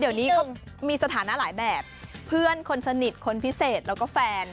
เดี๋ยวนี้เขามีสถานะหลายแบบเพื่อนคนสนิทคนพิเศษแล้วก็แฟน